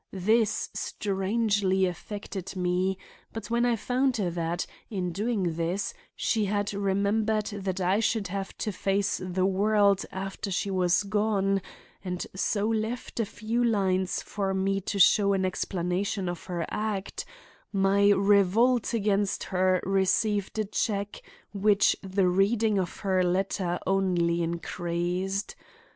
This strangely affected me, but when I found that, in doing this, she had remembered that I should have to face the world after she was gone, and so left a few lines for me to show in explanation of her act, my revolt against her received a check which the reading of her letter only increased.